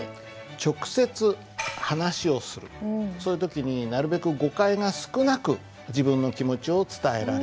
直接話をするそういう時になるべく誤解が少なく自分の気持ちを伝えられる。